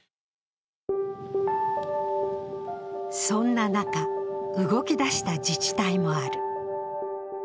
そんな中、動き出した自治体もある。